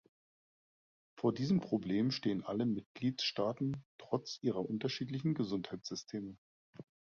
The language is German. Vor diesem Problem stehen alle Mitgliedstaaten trotz ihrer unterschiedlichen Gesundheitssysteme.